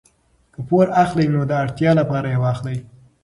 که پور اخلئ نو د اړتیا لپاره یې واخلئ.